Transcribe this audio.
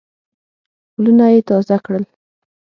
ولونه یې تازه کړل.